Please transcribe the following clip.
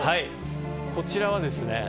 こちらはですね